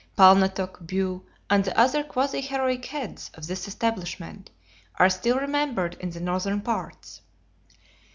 Palnatoke, Bue, and the other quasi heroic heads of this establishment are still remembered in the northern parts.